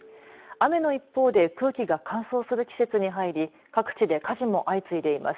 雨の一方で、空気が乾燥する季節に入り各地で火事も相次いでいます。